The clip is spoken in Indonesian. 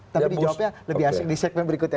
tapi di jawabnya lebih asik di segmen berikutnya